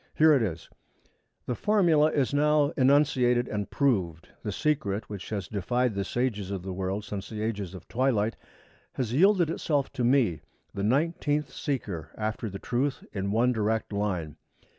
Here it is: '_The formula is now enunciated and proved. The secret which has defied the sages of the world since the ages of twilight, has yielded itself to me, the nineteenth seeker after the truth in one direct line.